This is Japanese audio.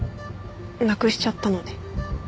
なくしちゃったので。